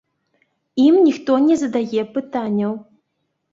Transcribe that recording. Ім ніхто не задае пытанняў.